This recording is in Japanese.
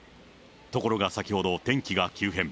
ところが先ほど天気が急変。